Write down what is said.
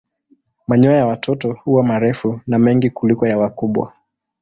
Manyoya ya watoto huwa marefu na mengi kuliko ya wakubwa.